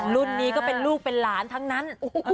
รุ่นนี้ก็เป็นลูกเป็นหลานทั้งนั้น